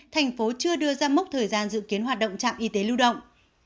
thành phố chưa đưa ra mốc thời gian dự kiến hoạt động trạm y tế lưu động